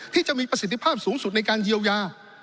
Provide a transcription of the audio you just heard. ที่จะมีประสิทธิภาพสูงสุดในการเยียวยา